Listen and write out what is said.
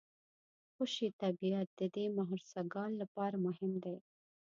خوشي طبیعت د دې مهرسګال لپاره مهم دی.